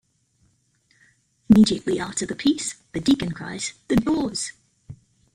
Immediately after the peace, the deacon cries The doors!